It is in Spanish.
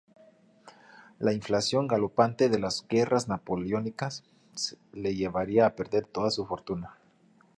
La inflación galopante de las guerras napoleónicas le llevaría a perder toda su fortuna.